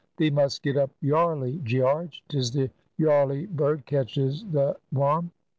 Thee must get up yarly, Gearge. 'Tis the yarly bird catches the worm.